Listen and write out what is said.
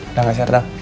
udah gak serang